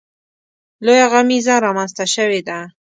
لویه غمیزه رامنځته شوې ده.